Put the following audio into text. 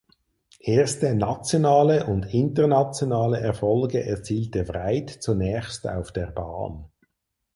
Erste nationale und internationale Erfolge erzielte Wright zunächst auf der Bahn.